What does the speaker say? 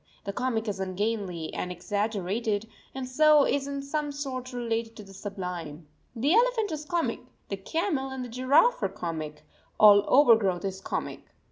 The comic is ungainly and exaggerated, and so is in some sort related to the sublime. The elephant is comic, the camel and the giraffe are comic, all overgrowth is comic.